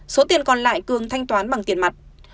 số tiền còn lại cường thanh toán bằng tiền mặt